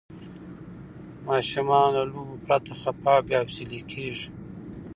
ماشومان له لوبو پرته خفه او بې حوصله کېږي.